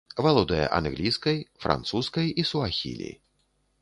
Валодае англійскай, французскай і суахілі.